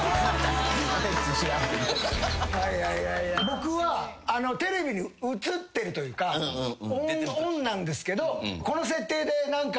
僕はテレビに映ってるというかオンなんですけど。